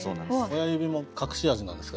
親指も隠し味なんですか？